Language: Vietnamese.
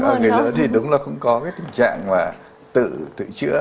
ở người lớn thì đúng là không có cái tình trạng là tự chữa